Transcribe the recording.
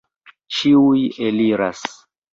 Ĉiuj eliras!